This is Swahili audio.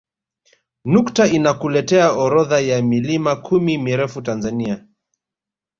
Nukta inakuletea orodha ya milima kumi mirefu Tanzania